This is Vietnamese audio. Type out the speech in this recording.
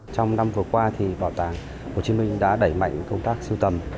trong năm vừa qua thì bảo tàng hồ chí minh đã đẩy mạnh công tác sưu tầm